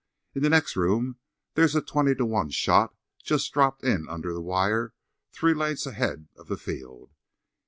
In the next room there's a 20 to 1 shot just dropped in under the wire three lengths ahead of the field.